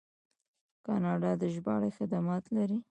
کاناډا د ژباړې خدمات لري.